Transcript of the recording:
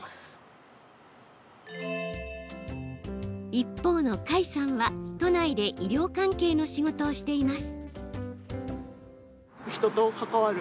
一方の花衣さんは、都内で医療関係の仕事をしています。